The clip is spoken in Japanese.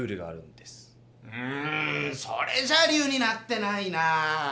んそれじゃ理由になってないな。